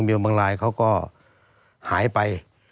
บางรายเขาก็หายไป